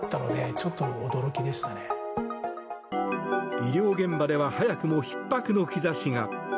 医療現場では早くもひっ迫の兆しが。